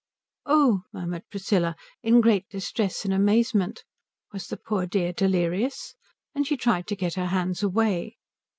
"Oh" murmured Priscilla, in great distress and amazement. Was the poor dear delirious? And she tried to get her hands away.